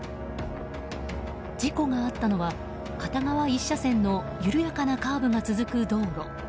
事故があったのは片側１車線の緩やかなカーブが続く道路。